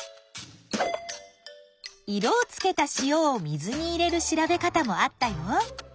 色をつけた塩を水に入れる調べ方もあったよ。